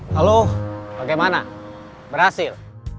halo bagaimana berhasil